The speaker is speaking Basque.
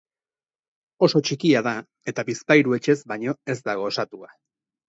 Oso txikia da eta bizpahiru etxez baino ez dago osatuta.